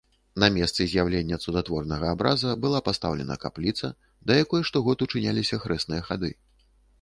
На месцы з'яўлення цудатворнага абраза была пастаўлена капліца, да якой штогод учыняліся хрэсныя хады.